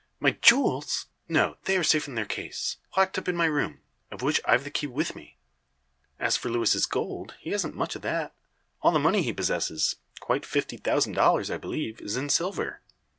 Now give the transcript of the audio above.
"My jewels! No; they are safe in their case; locked up in my room, of which I've the key with me. As for Luis's gold, he hasn't much of that. All the money he possesses quite fifty thousand dollars, I believe is in silver.